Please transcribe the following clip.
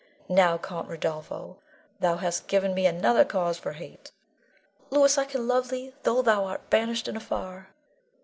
Now, Count Rodolpho, thou hast given me another cause for hate. Louis, I can love thee tho' thou art banished and afar.